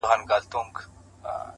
o له خوب چي پاڅي، توره تياره وي،